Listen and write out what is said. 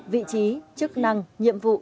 vị trí chức năng nhiệm vụ